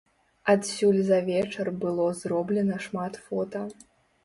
Адсюль за вечар было зроблена шмат фота.